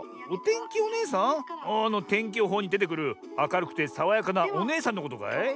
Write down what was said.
あのてんきよほうにでてくるあかるくてさわやかなおねえさんのことかい？